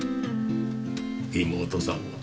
妹さんは？